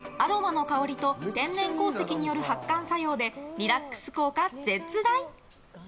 こちらの岩盤浴、アロマの香りと天然鉱石による発汗作用でリラックス効果絶大。